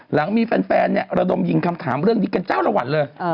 หลังมีแฟนระดมยิงคำถามเรื่องนี้กันเจ้าละวันเลย